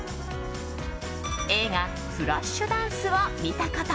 映画「フラッシュダンス」を見たこと。